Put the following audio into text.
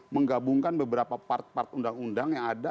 menggabungkan beberapa part part undang undang yang ada